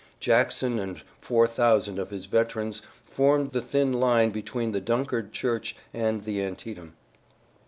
Jackson and four thousand of his veterans formed the thin line between the Dunkard church and the Antietam.